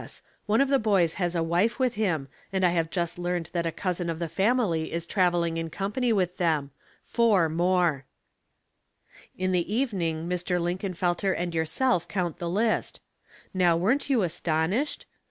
— One of the boys has a wife with him, and I have just learned that a cousin of the fam ily is traveling in company with them. Four more 1 " In the evening Mr. Linkenfelter and yourself 164 Household Puzzles, count the list. Now weren't you astonished?